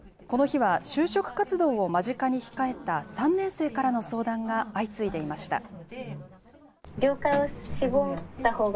この日は就職活動を間近に控えた３年生からの相談が相次いでいました。